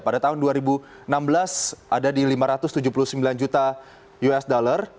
pada tahun dua ribu enam belas ada di lima ratus tujuh puluh sembilan juta usd